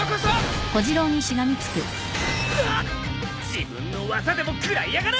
自分の技でも食らいやがれ！